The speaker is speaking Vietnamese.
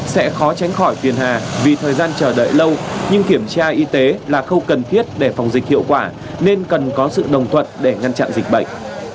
sẽ khó tránh khỏi tiền hà vì thời gian chờ đợi lâu nhưng kiểm tra y tế là khâu cần thiết để phòng dịch hiệu quả nên cần có sự đồng thuận để ngăn chặn dịch bệnh